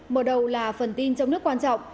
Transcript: mở đầu là phần tin trong nước quan trọng